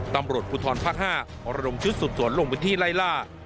ตำรวจพุทธรพัดห้าเอาระดมชุดสุดสวนลงวิธีไล่ล่า